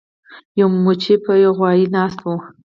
یوې مچۍ په یو غوایي ناسته وه.